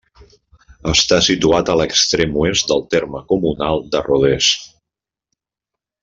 Està situat a l'extrem oest del terme comunal de Rodès.